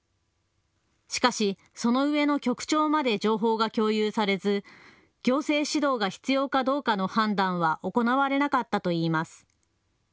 しかし、その上の局長まで情報が共有されず行政指導が必要かどうかの判断は行われなかったといいます。